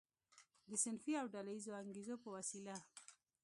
د صنفي او ډله ییزو انګیزو په وسیله.